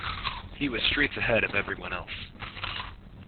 He was streets ahead of everyone else.